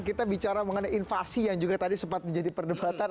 kita bicara mengenai invasi yang juga tadi sempat menjadi perdebatan